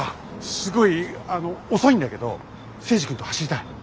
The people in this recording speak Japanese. すごいあの遅いんだけど征二君と走りたい。